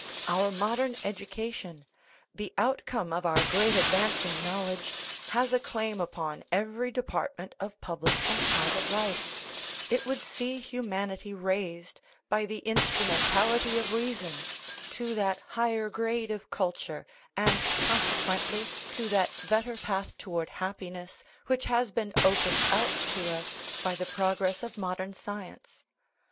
Our modern education, the outcome of our great advance in knowl edge, has a claim upon every department of public and private life; it would see humanity raised, by the in 10 THE NATURE OF THE PROBLEM strumentality of reason, to that higher grade of culture, and, consequently, to that better path towards happi ness which has been opened out to us by the progress of modern science.